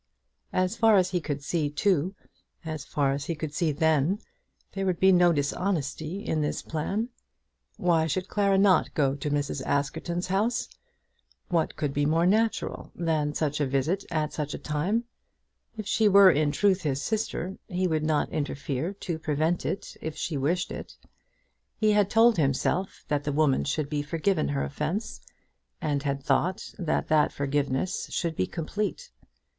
As far as he could see, too, as far as he could see then, there would be no dishonesty in this plan. Why should Clara not go to Mrs. Askerton's house? What could be more natural than such a visit at such a time? If she were in truth his sister he would not interfere to prevent it if she wished it. He had told himself that the woman should be forgiven her offence, and had thought that that forgiveness should be complete.